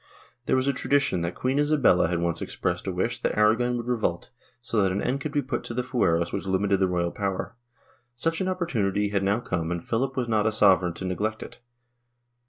There was a tradition that Queen Isabella had once expressed a wish that Aragon would revolt, so that an end could be put to the fueros which limited the royal power. Such an opportunity had now come and Philip was not a sovereign to neglect it.